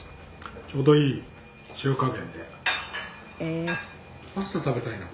ちょうどいい塩加減で」